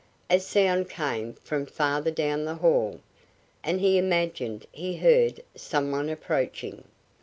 A sound came from farther down the hall, and he imagined he heard some one approaching.